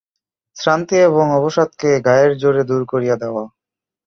শ্রান্তি এবং অবসাদকে গায়ের জোরে দূর করিয়া দেওয়া।